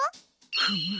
フム！